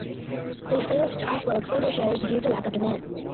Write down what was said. They failed to offload further shares due to lack of demand.